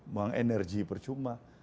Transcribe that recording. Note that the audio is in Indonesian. buang energi percuma